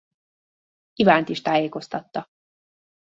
Ivánt is tájékoztatta.